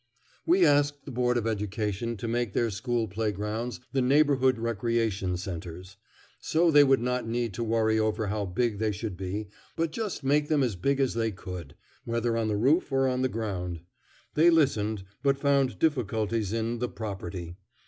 We asked the Board of Education to make their school playgrounds the neighborhood recreation centres. So they would not need to worry over how big they should be, but just make them as big as they could, whether on the roof or on the ground. They listened, but found difficulties in "the property."